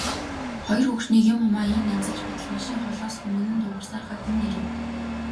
Хоёр хөгшнийг юм хумаа ийн янзалж байтал машин холоос хүнгэнэн дуугарсаар гадна нь ирэв.